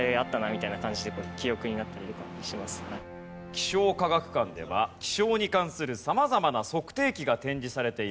気象科学館では気象に関する様々な測定器が展示されています。